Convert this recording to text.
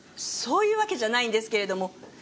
そういうわけじゃないんですけれども。